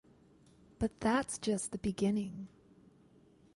But that’s just the beginning.